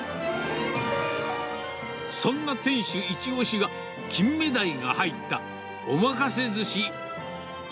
そんな店主一押しが、キンメダイが入ったおまかせ寿司。